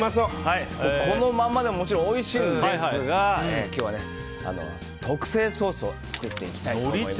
このままでももちろんおいしいんですが今日は特製ソースを作っていきたいと思います。